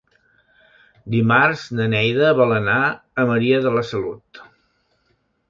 Dimarts na Neida vol anar a Maria de la Salut.